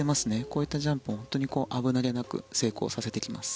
こういったジャンプも本当に危なげなく成功させてきます。